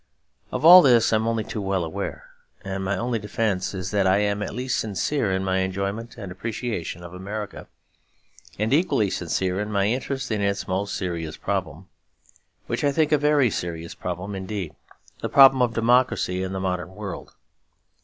Of all this I am only too well aware; and my only defence is that I am at least sincere in my enjoyment and appreciation of America, and equally sincere in my interest in its most serious problem, which I think a very serious problem indeed; the problem of democracy in the modern world.